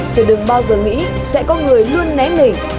chứ đừng bao giờ nghĩ sẽ có người luôn né mình